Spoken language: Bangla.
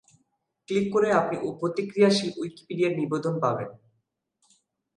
ক্লিক করে আপনি প্রতিক্রিয়াশীল উইকিপিডিয়া-নিবন্ধ পাবেন।